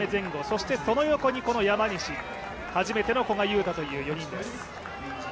そしてその横にこの山西初めての古賀友太という４人です。